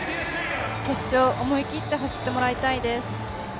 決勝、思い切って走ってもらいたいです。